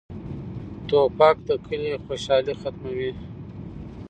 توپک د کلي خوشالي ختموي.